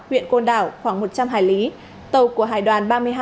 huyện côn đảo khoảng một trăm linh hải lý tàu của hải đoàn ba mươi hai